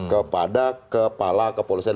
kepada kepala kepolisian